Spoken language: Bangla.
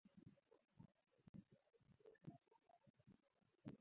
পুলিশ তাদের গ্রেফতার করে।